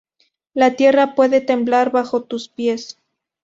La tierra puede temblar bajo tus pies.